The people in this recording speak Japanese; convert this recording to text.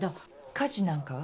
家事なんかは？